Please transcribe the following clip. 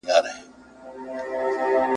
له باران سره ملګري توند بادونه !.